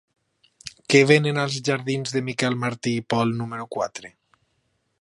Què venen als jardins de Miquel Martí i Pol número quatre?